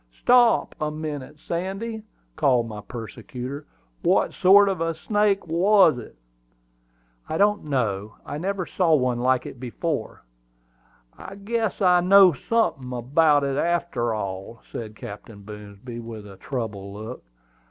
"Stop a minute, Sandy," called my persecutor. "What sort of a snake was it?" "I don't know; I never saw one like it before." "I guess I know sunthin' about it, arter all," said Captain Boomsby, with a troubled look.